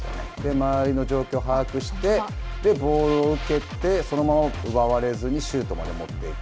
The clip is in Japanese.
周りの状況を把握して、ボールを受けて、そのまま奪われずにシュートまで持っていく。